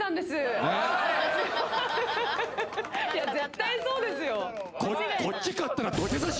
いや絶対そうですよ